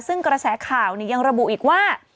ซึ่งกระแสข่าวยังระบุอีกว่า